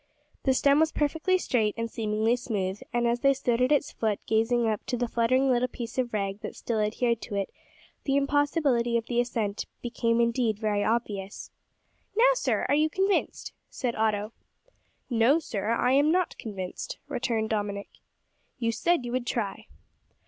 The stem was perfectly straight and seemingly smooth, and as they stood at its foot gazing up to the fluttering little piece of rag that still adhered to it, the impossibility of the ascent became indeed very obvious. "Now, sir, are you convinced?" said Otto. "No, sir, I am not convinced," returned Dominick. "You said you would try."